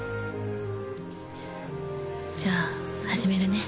じゃあ始めるね。